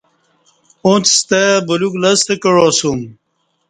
اُݩڅ ستا بلیوک لستہ کعاسوم